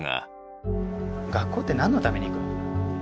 学校って何のために行くの？